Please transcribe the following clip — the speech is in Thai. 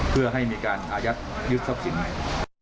เพื่อให้มีการอายัดยึดทรัพย์สินใหม่